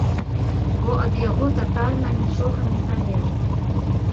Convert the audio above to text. Бо ад яго татальна нічога не залежыць.